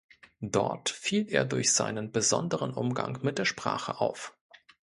Dort fiel er durch seinen besonderen Umgang mit der Sprache auf.